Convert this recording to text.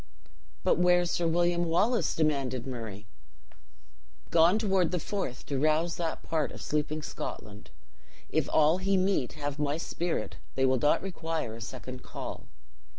"But where is Sir William Wallace?" demanded Murray. "Gone toward the Forth, to rouse that part of sleeping Scotland. If all he meet have my spirit, they will not require a second call.